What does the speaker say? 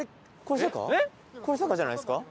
これ坂じゃないですか？